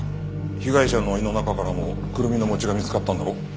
被害者の胃の中からもクルミの餅が見つかったんだろ？